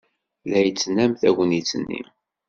La yettnam tagnit-nni.